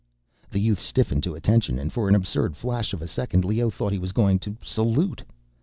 The youth stiffened to attention and for an absurd flash of a second, Leoh thought he was going to salute.